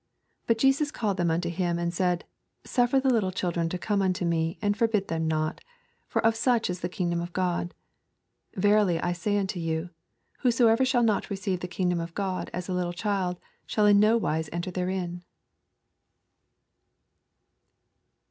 16 But Jesus called them untohimj and said, Suffer little children to come unto me, and forbid them not : for of such is tne kingdom of God. 17 Verily I say unto you, Whoso ever shall not receive the kingdom of God as a4ittle child shall in no wise enter therein.